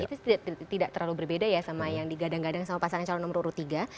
itu tidak terlalu berbeda ya sama yang digadang gadang sama pasangan calon nomor urut tiga